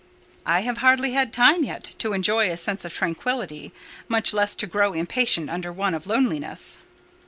"I have hardly had time yet to enjoy a sense of tranquillity, much less to grow impatient under one of loneliness."